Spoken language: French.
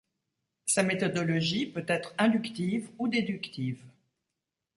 Sa méthodologie peut être inductive ou déductive.